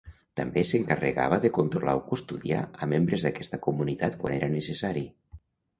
També s'encarregava de controlar o custodiar a membres d'aquesta comunitat quan era necessari.